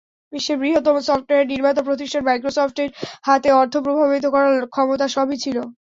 বিশ্বের বৃহত্তম সফটওয়্যার নির্মাতা প্রতিষ্ঠান মাইক্রোসফটের হাতে অর্থ, প্রভাবিত করার ক্ষমতা সবই ছিল।